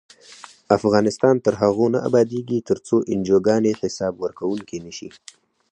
افغانستان تر هغو نه ابادیږي، ترڅو انجوګانې حساب ورکوونکې نشي.